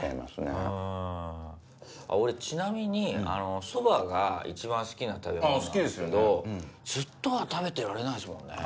俺ちなみにそばが一番好きな食べ物なんすけどずっとは食べてられないですもんね。